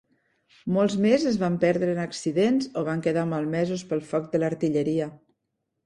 Molts més es van perdre en accidents o van quedar malmesos pel foc de l'artilleria.